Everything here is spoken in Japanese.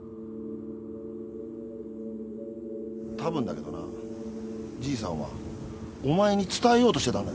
たぶんだけどなじいさんはお前に伝えようとしてたんだよ。